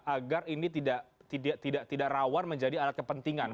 agar ini tidak rawan menjadi alat kepentingan